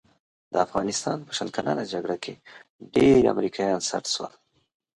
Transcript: د افغانستان په شل کلنه جګړه کې ډېر امریکایان سټ شول.